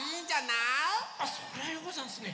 あっそりゃよござんすね。